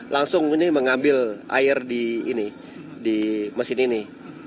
langsung ini mengambil air di mesin ini